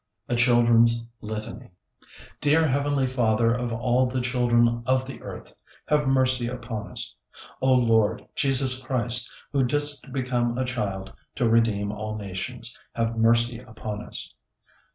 A CHILDREN'S LITANY Dear Heavenly Father of all the children of the earth; Have mercy upon us. O Lord Jesus Christ, who didst become a child to redeem all nations; Have mercy upon us.